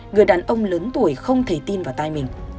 người đàn ông lớn tuổi không thể tin vào tay mình